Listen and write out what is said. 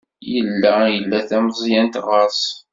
Yella ila tameẓyant ɣer-s.